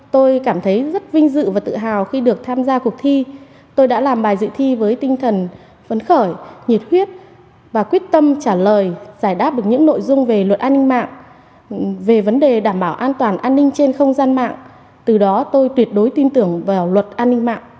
tôi cảm thấy rất vinh dự và tự hào khi được tham gia cuộc thi tôi đã làm bài dự thi với tinh thần phấn khởi nhiệt huyết và quyết tâm trả lời giải đáp được những nội dung về luật an ninh mạng về vấn đề đảm bảo an toàn an ninh trên không gian mạng từ đó tôi tuyệt đối tin tưởng vào luật an ninh mạng